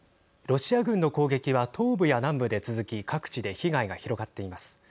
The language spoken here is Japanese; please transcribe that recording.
ロシア軍の攻撃は東部や南部で続き各地で被害が広がっています。